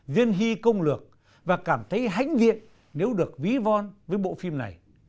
riêng hy công lược và cảm thấy hãnh viện nếu được ví von với bộ phim này